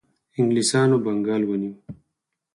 انګلیسانو بنګال ونیو.